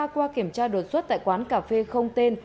qua kiểm tra đột xuất tại quán cà phê không tên